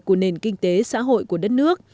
của nền kinh tế xã hội của đất nước